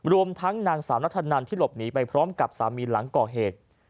รวมทั้งนางสาวนัทธนันที่หลบหนีไปพร้อมกับสามีหลังก่อเหตุ